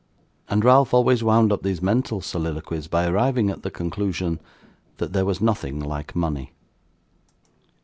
And Ralph always wound up these mental soliloquies by arriving at the conclusion, that there was nothing like money.